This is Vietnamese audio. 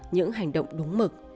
những hành động đúng mực